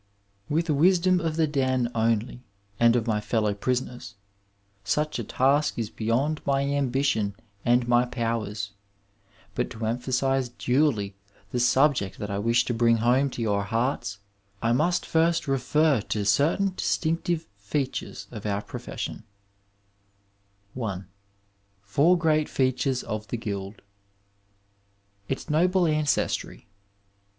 With wisdom of the den only and of my fellow prisoners, such a task is beyond my ambition and my powers, but to emphasize duly the sub ject that I wish to bring home to your hearts I must first refer to certain distinctive features of our profession : I. FOXIR GREAT FEATURES OF THE GUILD Its vMe ancestry.